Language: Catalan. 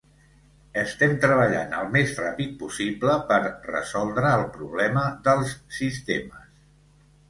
Estem treballant el més ràpid possible per resoldre el problema dels sistemes.